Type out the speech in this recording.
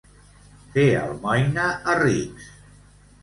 Fer almoina a rics.